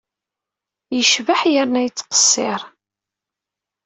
Yecbeḥ yerna yettqeṣṣir.